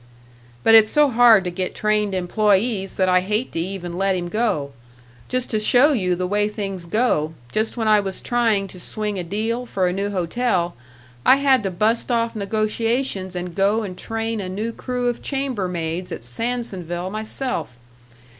"But it's so hard to get trained employees that I hate to even let him go. Just to show you the way things go, just when I was trying to swing a deal for a new hotel, I had to bust off negotiations and go and train a new crew of chambermaids at Sandsonville myself.